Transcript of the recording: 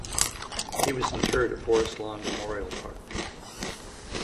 He was interred at Forest Lawn Memorial Park.